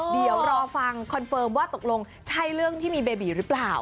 เดี๋ยวรอฟังคอนเฟิร์มว่าตกลงใช่เรื่องที่มีเบบีหรือเปล่า